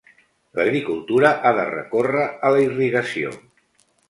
L'agricultura ha de recórrer a la irrigació.